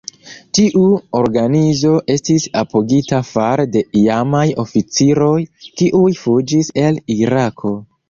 Tiu organizo estis apogita fare de iamaj oficiroj, kiuj fuĝis el Irako.